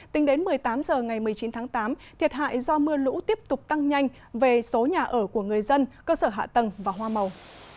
tính đến một mươi tám h ngày một mươi chín tháng tám thiệt hại do mưa lũ tiếp tục tăng nhanh về số nhà ở của người dân cơ sở hạ tầng và hoa màu